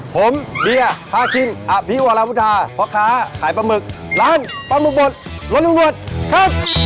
ผมเรียป้าคินผีวลามูทา